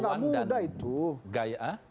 tapi kan dia gak muda itu